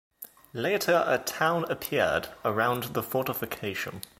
Later a town appeared around the fortification.